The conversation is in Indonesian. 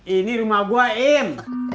ini rumah gua im